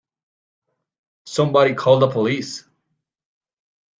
Somebody call the police!